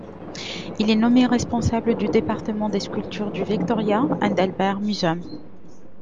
Il est nommé responsable du département des sculptures du Victoria and Albert Museum.